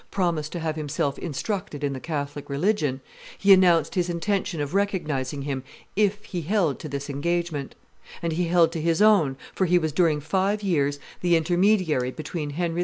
promised to have himself instructed in the Catholic religion, he announced his intention of recognizing him if he held to this engagement; and he held to his own, for he was during five years the intermediary between Henry IV.